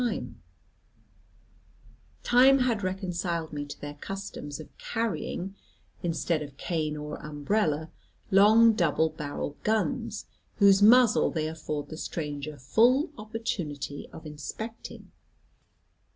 Time had reconciled me to their custom of carrying, instead of cane or umbrella, long double barrelled guns, whose muzzle they afford the stranger full opportunity of inspecting.